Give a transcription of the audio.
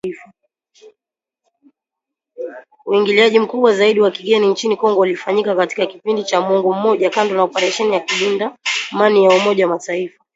Uingiliaji mkubwa zaidi wa kigeni nchini Kongo ulifanyika katika kipindi cha mwongo mmoja kando na operesheni ya kulinda Amani ya Umoja wa mataifa.